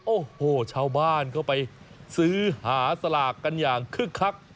โอ้โหชาวบ้านเข้าไปซื้อหาสลากกันอย่างคึกคัก